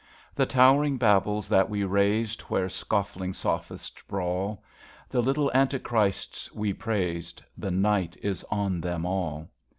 The towering Babels that we raised Where scoffing sophists brawl, The little Antichrists we praised — The night is on them all.